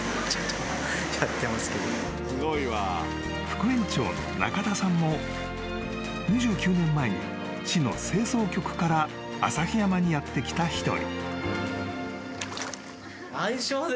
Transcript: ［副園長の中田さんも２９年前に市の清掃局から旭山にやって来た一人］